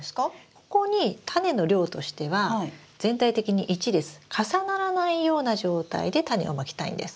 ここにタネの量としては全体的に１列重ならないような状態でタネをまきたいんです。